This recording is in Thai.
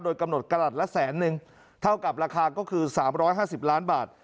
โดยกำหนดกลับละแสนนึงเท่ากับราคาก็คือสามร้อยห้าสิบล้านบาท